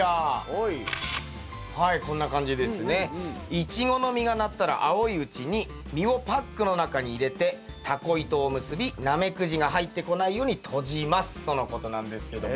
イチゴの実がなったら青いうちに実をパックの中に入れてたこ糸を結びナメクジが入ってこないように閉じますとのことなんですけども。